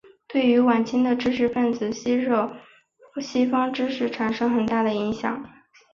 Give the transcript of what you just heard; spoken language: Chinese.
对于晚清的知识分子吸收西方知识产生很大的影响。